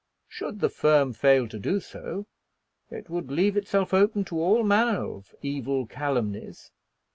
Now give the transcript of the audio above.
Should the firm fail to do so, it would leave itself open to all manner of evil calumnies.